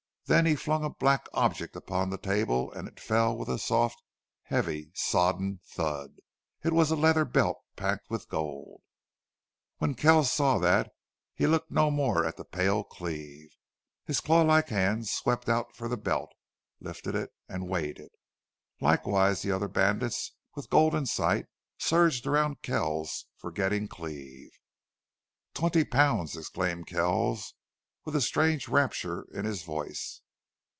Then he flung a black object upon the table and it fell with a soft, heavy, sodden thud. It was a leather belt packed with gold. When Kells saw that he looked no more at the pale Cleve. His clawlike hand swept out for the belt, lifted and weighed it. Likewise the other bandits, with gold in sight, surged round Kells, forgetting Cleve. "Twenty pounds!" exclaimed Kells, with a strange rapture in his voice.